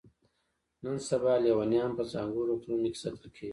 نن سبا لیونیان په ځانګړو روغتونونو کې ساتل کیږي.